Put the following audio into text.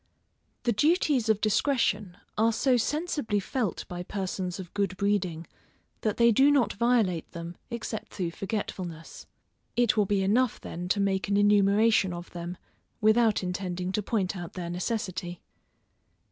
_ The duties of discretion are so sensibly felt by persons of good breeding, that they do not violate them except through forgetfulness. It will be enough then to make an enumeration of them, without intending to point out their necessity.